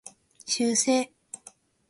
修正